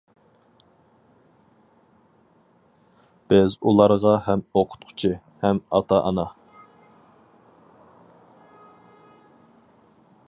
بىز ئۇلارغا ھەم ئوقۇتقۇچى ھەم ئاتا-ئانا.